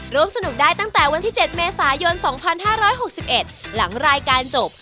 ร่วมสนุกได้ตั้งแต่วันที่๗เมษายน๒๕๖๑หลังรายการจบ